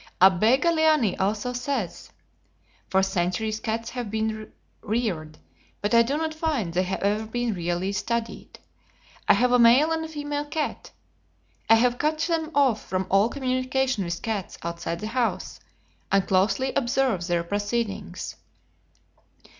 Abbé Galiani also says: "For centuries cats have been reared, but I do not find they have ever been really studied. I have a male and a female cat. I have cut them off from all communication with cats outside the house, and closely observe their proceedings.